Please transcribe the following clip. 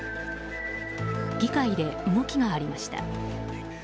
議会で動きがありました。